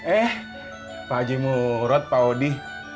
eh pak haji murod pak odi